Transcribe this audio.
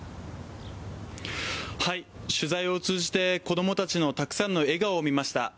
取材を通じて子供たちのたくさんの笑顔を見ました。